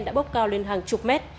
đã bốc cao lên hàng chục mét